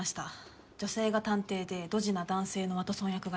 女性が探偵でドジな男性のワトソン役がいる。